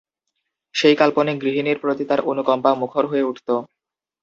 সেই কাল্পনিক গৃহিণীর প্রতি তাঁর অনুকম্পা মুখর হয়ে উঠত।